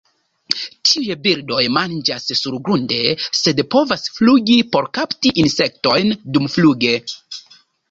Tiuj birdoj manĝas surgrunde, sed povas flugi por kapti insektojn dumfluge.